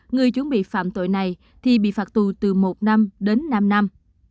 người chuẩn bị phạm tội này thì bị phạt tù từ một năm đến năm năm